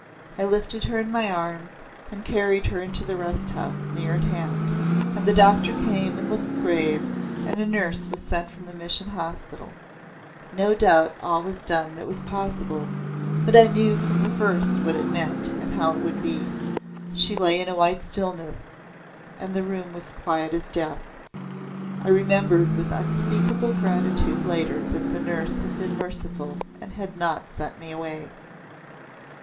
I lifted her in my arms and carried her into the rest house near at hand, and the doctor came and looked grave, and a nurse was sent from the Mission Hospital. No doubt all was done that was possible, but I knew from the first what it meant and how it would be. She lay in a white stillness, and the room was quiet as death. I remembered with unspeakable gratitude later that the nurse had been merciful and had not sent me away.